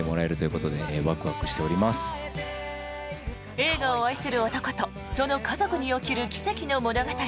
映画を愛する男とその家族に起きる奇跡の物語。